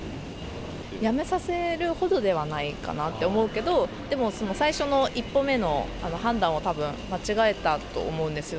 辞めさせるほどではないかなって思うけど、でも最初の一歩目の判断をたぶん、間違えたと思うんですよ。